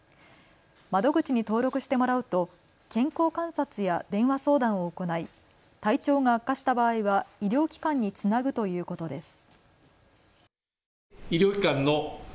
窓口に登録してもらうと健康観察や電話相談を行い体調が悪化した場合は医療機関につなぐということです。